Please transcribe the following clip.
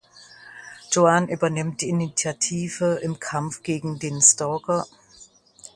Joanne übernimmt die Initiative im Kampf gegen den Stalker.